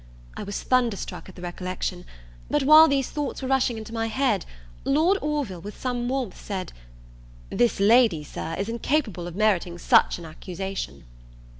I was thunderstruck at the recollection: but, while these thoughts were rushing into my head, Lord Orville with some warmth, said, "This Lady, Sir, is incapable of meriting such an accusation!"